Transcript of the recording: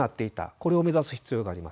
これを目指す必要があります。